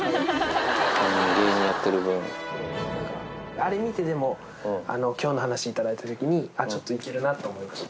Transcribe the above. あれ見てでも今日の話頂いた時にちょっと行けるなと思いました。